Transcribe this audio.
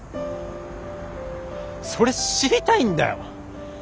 それ知りたいんだよ。